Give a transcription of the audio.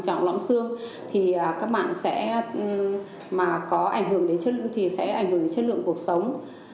khi có loãng xương khi gặp tình trạng loãng xương thì các bạn sẽ có ảnh hưởng đến chất lượng cuộc sống